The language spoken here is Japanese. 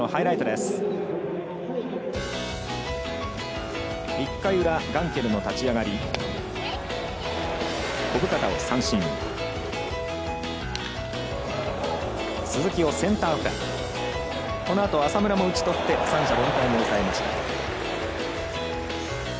このあと、浅村も打ちとって三者凡退に抑えました。